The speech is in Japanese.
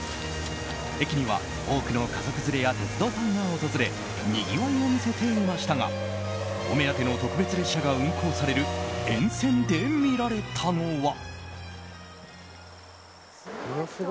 駅には多くの家族連れや鉄道ファンが訪れにぎわいを見せていましたがお目当ての特別列車が運行される沿線で見られたのは。